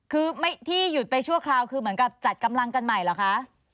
คือที่หยุดไปชั่วคราวคือเหมือนกับจัดกำลังกันใหม่เหรอคะ